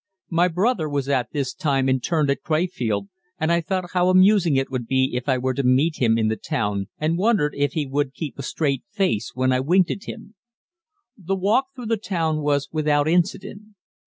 My brother was at this time interned at Crefeld, and I thought how amusing it would be if I were to meet him in the town and wondered if he would keep a straight face when I winked at him. The walk through the town was without incident.